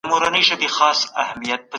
هر فرد بايد د زده کړې زمينه ولري.